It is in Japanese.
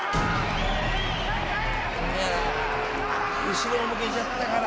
後ろを向けちゃったから。